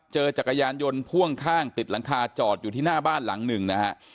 จักรยานยนต์พ่วงข้างติดหลังคาจอดอยู่ที่หน้าบ้านหลังหนึ่งนะฮะ